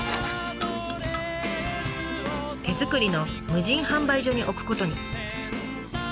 手作りの無人販売所に置くことに。